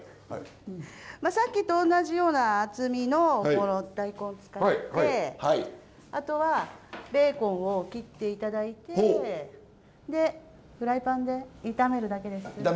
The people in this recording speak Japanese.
まあさっきと同じような厚みのこの大根使ってあとはベーコンを切って頂いてでフライパンで炒めるだけです。